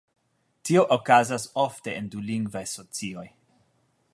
Tio okazas ofte en dulingvaj socioj.